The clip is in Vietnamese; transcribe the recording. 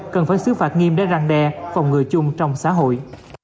cần phải xứ phạt nghiêm để răng đe phòng ngừa chung trong xã hội